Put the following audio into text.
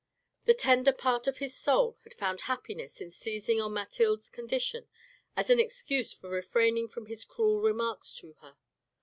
The tender part of his soul had found happiness in seizing on Mathilde's condition as an excuse for refraining from his cruel remarks to her.